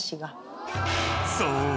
［そう。